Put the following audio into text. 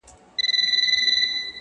نظم د ژوند توازن ساتي,